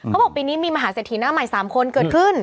เขาบอกปีนี้มีมหาเสถียหน้าใหม่๓คนเกิดขึ้น